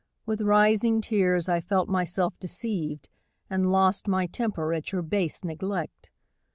With rising tears I felt myself deceived And lost my temper at your base neglect.